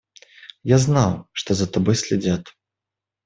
Я знал, что за тобой следят.